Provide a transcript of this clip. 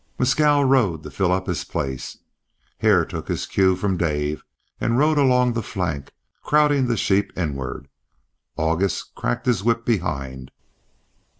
Mescal rode up to fill his place. Hare took his cue from Dave, and rode along the flank, crowding the sheep inward. August cracked his whip behind.